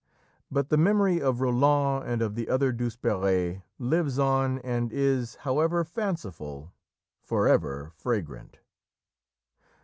But the memory of Roland and of the other Douzeperes lives on and is, however fanciful, forever fragrant.